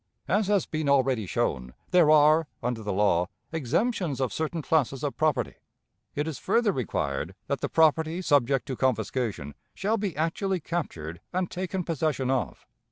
As has been already shown, there are, under the law, exemptions of certain classes of property. It is further required that the property subject to confiscation shall be actually captured and taken possession of.